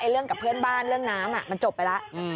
เรื่องกับเพื่อนบ้านเรื่องน้ำมันจบไปแล้ว